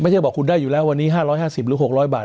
ไม่ใช่บอกคุณได้อยู่แล้ววันนี้๕๕๐หรือ๖๐๐บาท